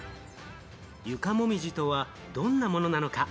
床もみじとはどんなものなのか？